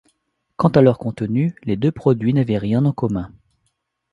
Quant à leur contenu, les deux produits n'avaient rien en commun.